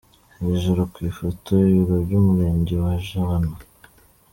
Hejuru ku ifoto: Ibiro by’Umurenge wa Jabana.